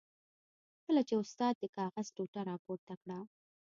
کله چې استاد د کاغذ ټوټه را پورته کړه.